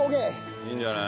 いいんじゃない？